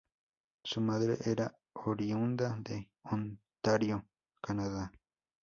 Su madre era oriunda de Ontario, Canadá.